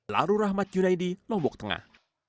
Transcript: lalu rahmat yunedi tombok tengah